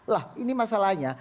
lah ini masalahnya